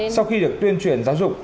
sau khi được tuyên truyền giáo dục